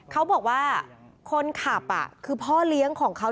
เขาบอกว่าคนขับคือพ่อเลี้ยงของเขา